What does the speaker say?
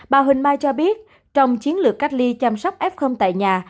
bà huỳnh mai cho biết trong chiến lược cách ly chăm sóc f tại nhà